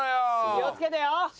気をつけてよ！さあ。